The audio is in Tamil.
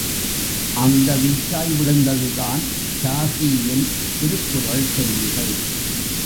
அந்த வீச்சாய் விழுந்ததுதான் ரா.சீ.யின் திருக்குறள் செய்திகள்!